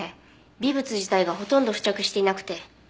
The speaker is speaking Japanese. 微物自体がほとんど付着していなくて。